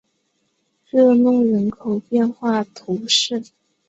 热诺人口变化图示